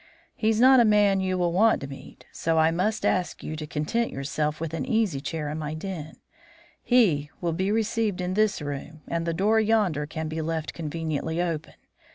He's not a man you will want to meet, so I must ask you to content yourself with an easy chair in my den. He will be received in this room, and the door yonder can be left conveniently open.